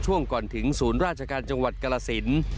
ช่วงก่อนถึงศูนย์ราชการจังหวัดกรสิน